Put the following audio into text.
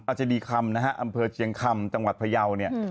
อาจารย์ดีคำนะฮะอำเภอเชียงคำจังหวัดพระเยาว์เนี่ย